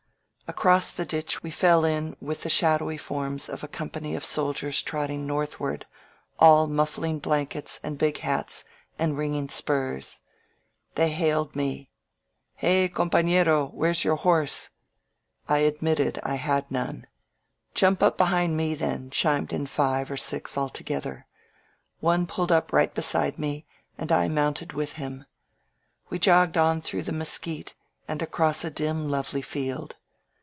Across the ditch we fell in with the shadowy forms of a company of soldiers trotting northward, all muffling blankets and big hats and ringing spurs. They hailed me. Hey, companero^ where's your horse?" I admit ted I had none. ^^Jump up behind me then," chimed in five or six altogether. One pulled up right beside me and I mounted with him. We jogged on through the mesquite and across a dim, lovely field.